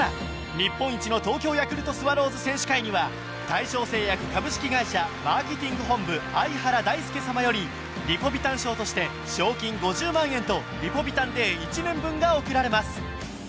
日本一の東京ヤクルトスワローズ選手会には「大正製薬株式会社」マーケティング本部相原大輔様よりリポビタン賞として賞金５０万円とリポビタンＤ１年分が贈られます